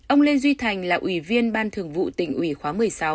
ông lê duy thành là ủy viên ban thường vụ tỉnh ủy khóa một mươi sáu